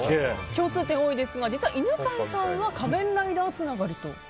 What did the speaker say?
共通点が多いですが実は犬飼さんは「仮面ライダー」つながりと。